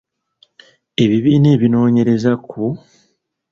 Ebibiina ebinoonyereza ku